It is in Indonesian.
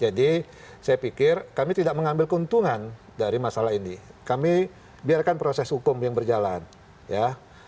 jadi saya pikir kami tidak mengambil keuntungan dari masalah ini kami biarkan proses hukum yang berjalan ya